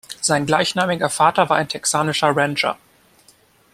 Sein gleichnamiger Vater war ein texanischer Rancher.